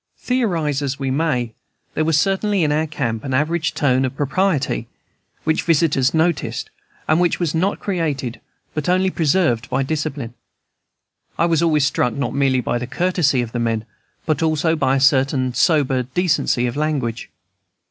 Theorize as we may, there was certainly in our camp an average tone of propriety which all visitors noticed, and which was not created, but only preserved by discipline. I was always struck, not merely by the courtesy of the men, but also by a certain sober decency of language.